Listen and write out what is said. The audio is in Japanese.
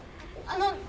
あの。